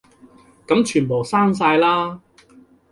噉全部刪晒啦